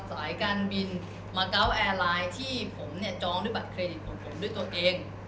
สายการบินมาเกาะแอร์ไลน์ที่ผมเนี่ยจองด้วยบัตรเครดิตของผมด้วยตัวเอง